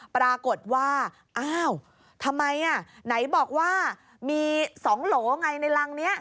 ปรากฏว่าอ้าวทำไมไหนบอกว่ามี๒โหลไงในรังนี้